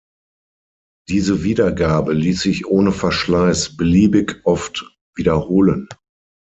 Diese Wiedergabe ließ sich ohne Verschleiß beliebig oft wiederholen.